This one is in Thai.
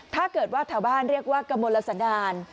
ถ้าเกิดว่าแถวบ้านเรียกว่ากมลสดาน